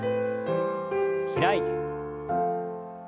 開いて。